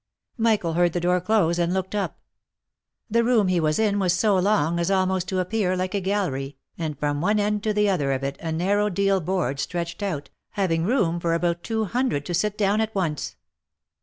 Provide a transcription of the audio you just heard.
Michael heard the door close, and looked up. The room he was in was so long as almost to appear like a gallery, and from one end to the other of it a narrow deal board stretched out, having room for about two hundred to sit down at once.